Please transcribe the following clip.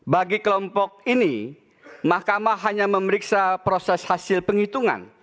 bagi kelompok ini mahkamah hanya memeriksa proses hasil penghitungan